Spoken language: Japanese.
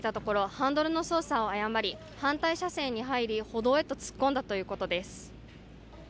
ハンドルの操作を誤り反対車線に入り歩道へと突っ込んだということです。